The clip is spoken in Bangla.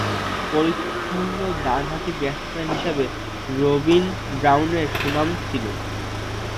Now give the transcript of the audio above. পরিচ্ছন্ন ডানহাতি ব্যাটসম্যান হিসেবে রবিন ব্রাউনের সুনাম ছিল।